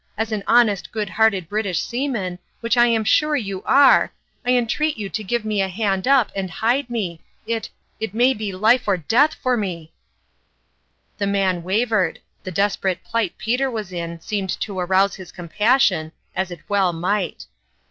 As an honest, good hearted British seaman which I am sure you are I entreat you to give me a hand up, and hide me ; it it may be life or death for me !" 0mp0utto Interest. 183 The man wavered ; the desperate plight Peter was in seemed to arouse his compassion, as it well might.